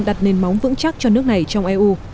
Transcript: đặt nền móng vững chắc cho nước này trong eu